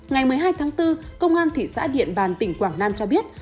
ngày một mươi hai tháng bốn công an thị xã điện bàn tỉnh quảng nam cho biết